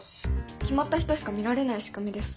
決まった人しか見られない仕組みです。